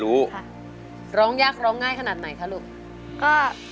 ร้องยากร้องง่ายขนาดไหนคะลูกก็